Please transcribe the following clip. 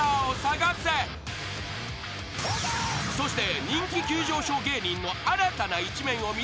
［そして］